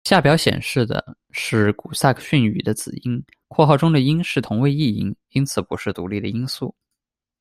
下表显示的是古撒克逊语的子音，括号中的音是同位异音，因此不是独立的音素。